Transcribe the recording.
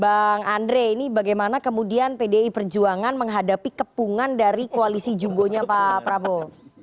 bang andre ini bagaimana kemudian pdi perjuangan menghadapi kepungan dari koalisi jumbonya pak prabowo